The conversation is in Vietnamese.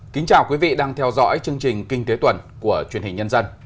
kính chào quý vị đang theo dõi chương trình kinh tế tuần của truyền hình nhân dân